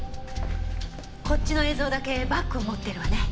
こっちの映像だけバッグを持ってるわね。